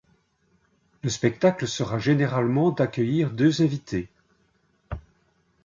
Le spectacle sera généralement d'accueillir deux invités.